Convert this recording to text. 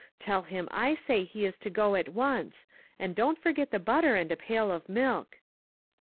Tell him I say he is to go at once, and don't forget the butter and a pail of milk."